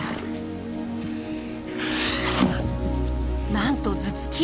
なんと頭突き！